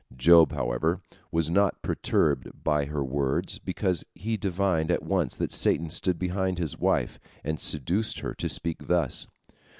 Job, however, was not perturbed by her words, because he divined at once that Satan stood behind his wife, and seduced her to speak thus.